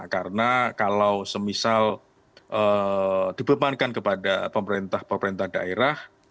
karena kalau semisal dibebankan kepada pemerintah pemerintah daerah